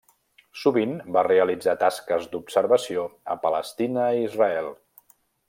Sovint va realitzar tasques d'observació a Palestina i Israel.